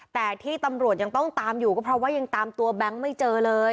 แต่ที่ตำรวจยังต้องตามอยู่ก็เพราะว่ายังตามตัวแบงค์ไม่เจอเลย